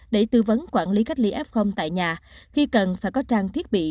để tư vấn quản lý cách ly f tại nhà khi cần phải có trang thiết bị